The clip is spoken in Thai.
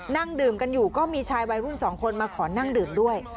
นั่งดื่มกันอยู่ก็มีชายวัยรุ่นสองคนมาขอนั่งดื่มด้วย